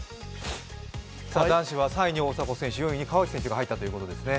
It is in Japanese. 男子は３位に大迫選手、４位に川内選手が入ったということですね。